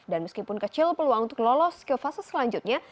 dan meskipun kecil peluang untuk lolos ke fase selanjutnya